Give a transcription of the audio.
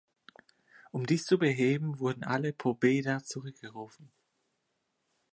Um dies zu beheben wurden alle Pobeda zurückgerufen.